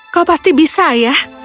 kau pasti bisa ayah